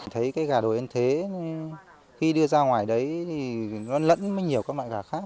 thấy cái gà đồ ăn thế khi đưa ra ngoài đấy thì nó lẫn với nhiều các loại gà khác